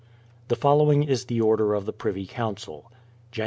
The following is the order of the Privy Council: Jan.